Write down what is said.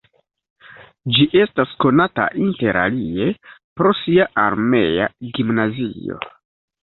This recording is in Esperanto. Ĝi estas konata interalie pro sia armea gimnazio.